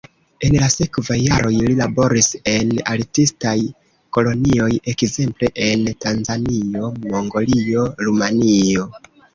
En la sekvaj jaroj li laboris en artistaj kolonioj ekzemple en Tanzanio, Mongolio, Rumanio.